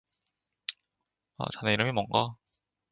"아, 자네 이름이 뭐인가?"